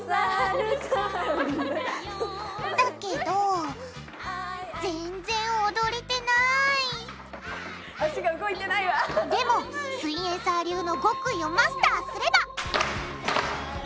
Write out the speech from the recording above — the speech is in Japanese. だけどぜんぜん踊れてないでもすイエんサー流の極意をマスターすれば！